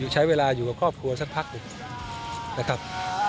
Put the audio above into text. ใช้เวลาอยู่กับครอบครัวสักพักหนึ่งนะครับ